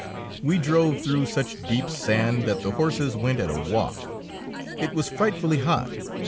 We drove through such deep sand that the horses went at a walk. It was frightfully hot.